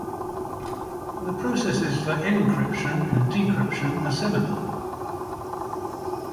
The processes for encryption and decryption are similar.